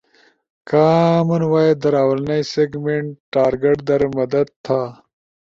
کامن وائس در آولنئی سیگمنٹ ٹارگٹ در مدد تھا